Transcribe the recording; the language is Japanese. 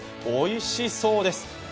おいしそうです。